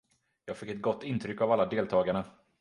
Jag fick ett gott intryck av alla deltagarna.